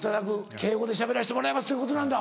敬語でしゃべらせてもらいます」ということなんだ。